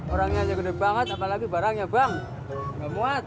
orangnya gede banget apalagi barangnya bang